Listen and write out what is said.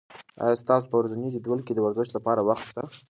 آیا ستاسو په ورځني جدول کې د ورزش لپاره وخت شته؟